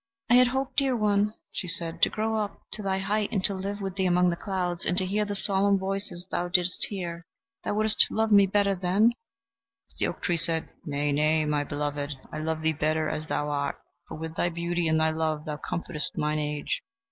"I had hoped, dear one," she said, "to grow up to thy height, to live with thee among the clouds, and to hear the solemn voices thou didst hear. Thou wouldst have loved me better then?" But the old oak tree said: "Nay, nay, my beloved; I love thee better as thou art, for with thy beauty and thy love thou comfortest mine age."